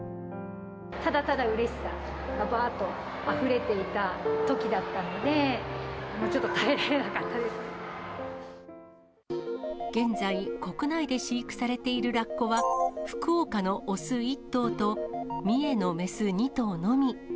ただただうれしさがばーっとあふれていたときだったので、もうちょっと耐えられなかったで現在、国内で飼育されているラッコは、福岡の雄１頭と、三重の雌２頭のみ。